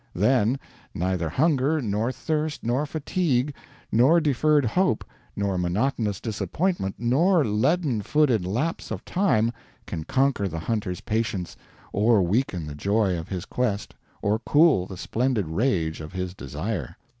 Then, neither hunger, nor thirst, nor fatigue, nor deferred hope, nor monotonous disappointment, nor leaden footed lapse of time can conquer the hunter's patience or weaken the joy of his quest or cool the splendid rage of his desire.